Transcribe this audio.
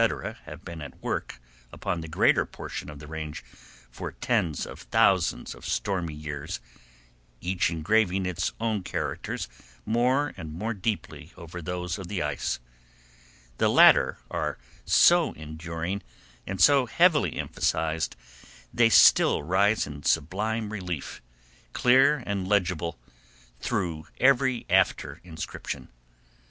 —have been at work upon the greater portion of the Range for tens of thousands of stormy years, each engraving its own characters more and more deeply over those of the ice, the latter are so enduring and so heavily emphasized, they still rise in sublime relief, clear and legible, through every after inscription.